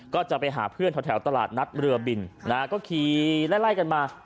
ก็จะไปหาเพื่อนแถวตลาดนัดเรือบินนะฮะก็ขี่ไล่กันมา